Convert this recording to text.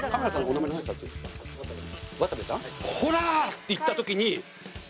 ほらっていったときに。